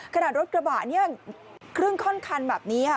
รถกระบะเนี่ยครึ่งข้อนคันแบบนี้ค่ะ